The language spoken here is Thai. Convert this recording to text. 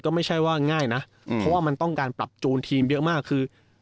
ก็ไม่ใช่ว่าง่ายนะเพราะว่ามันต้องการปรับจูนทีมเยอะมากคือ